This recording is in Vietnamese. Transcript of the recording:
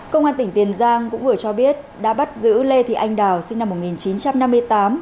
công an tỉnh tiền giang cũng vừa cho biết đã bắt giữ lê thị anh đào sinh năm một nghìn chín trăm năm mươi tám